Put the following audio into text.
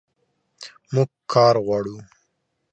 موږ کار غواړو